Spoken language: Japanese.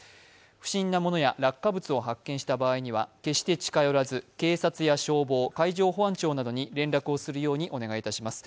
不審なものや落下物を発見した場合には決して近寄らず、警察や消防、海上保安庁などに連絡をするようにお願いいたします。